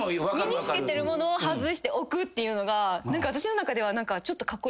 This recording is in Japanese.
身に着けてるものを外して置くっていうのが私の中ではカッコイイ感じがする。